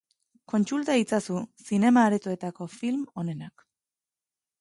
Kontsulta itzazu zinema-aretoetako film onenak.